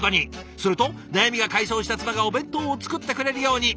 すると悩みが解消した妻がお弁当を作ってくれるように。